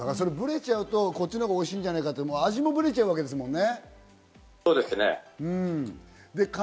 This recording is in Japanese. ブレちゃうと、こっちがおいしいんじゃないかと味もブレちゃうわけですからね。